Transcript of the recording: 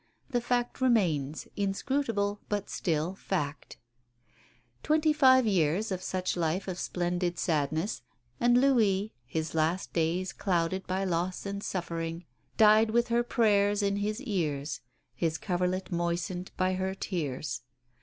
The fact remains, inscrutable, but still fact. Twenty five years of such life of splendid sadness, and Louis, his last days clouded by loss and suffering, died with her prayers in his ears, his coverlet moistened by her tears.